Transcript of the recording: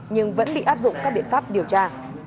nhưng vẫn bị áp dụng các biện pháp điều tra